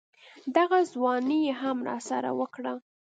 دغه ځواني يې هم راسره وکړه.